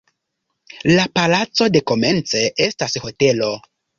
La palaco dekomence estas hotelo.